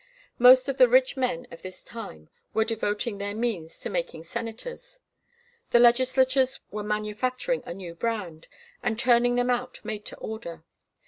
Most of the rich men of this time were devoting their means to making Senators. The legislatures were manufacturing a new brand, and turning them out made to order.